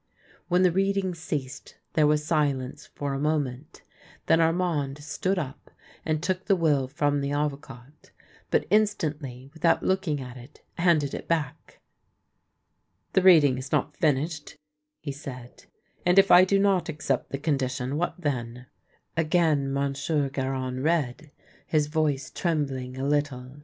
When the reading ceased there was silence for a moment, then Armand stood up, and took the will from the Avocat; but instantly, without looking at it, handed it back. " The reading is not finished," he said. " And if I do not accept the condition, what then?" PARPON THE DWARF 221 Again Monsieur Garon read, his voice trembling a little.